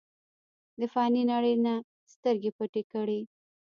د فانې نړۍ نه سترګې پټې کړې ۔